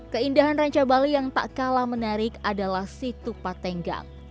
keindahan ranca bali yang tak kalah menarik adalah situpa tenggang